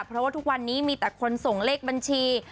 เพราะว่าทุกวันนี้มีแต่คนส่งเลขบัญชี